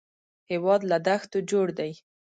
هېواد له دښتو جوړ دی